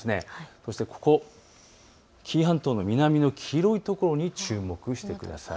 そして、紀伊半島の南の黄色いところに注目してください。